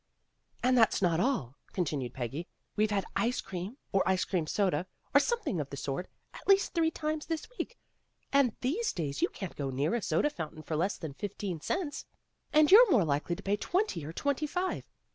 "And that's not all," continued Peggy. "We've had ice cream, or ice cream soda, or something of the sort, at least three times this week, and these days you can't go near a soda fountain for less than fifteen cents, and you're more likely to pay twenty or twenty five.